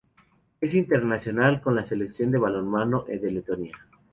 Es internacional con la Selección de balonmano de Letonia.